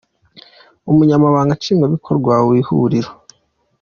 Umunyamabanga Nshingwabikorwa w’ihuriro.